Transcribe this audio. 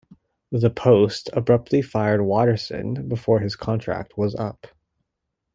The "Post" abruptly fired Watterson before his contract was up.